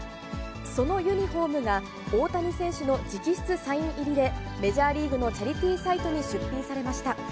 そのユニホームが、大谷選手の直筆サイン入りでメジャーリーグのチャリティーサイトに出品されました。